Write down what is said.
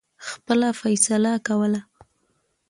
خپله فیصله کوله.